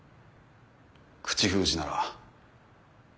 口封じなら。